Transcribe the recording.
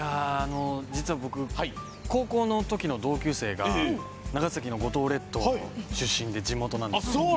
実は僕、高校の時の同級生が長崎の五島列島出身で地元なんです。